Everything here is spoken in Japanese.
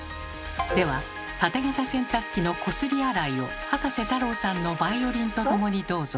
ではタテ型洗濯機の「こすり洗い」を葉加瀬太郎さんのバイオリンとともにどうぞ。